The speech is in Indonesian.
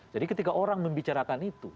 jadi ketika orang membicarakan itu